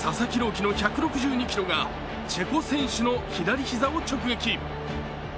希の１６２キロがチェコ選手の左膝を直撃。